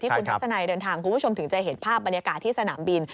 คุณทัศนัยเดินทางคุณผู้ชมถึงจะเห็นภาพบรรยากาศที่สนามบิน